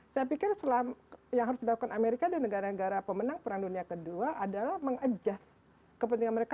saya pikir yang harus dilakukan amerika dan negara negara pemenang perang dunia kedua adalah mengadjust kepentingan mereka